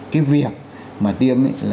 cái việc mà tiêm